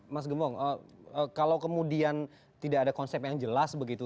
mas gembong kalau kemudian tidak ada konsep yang jelas begitu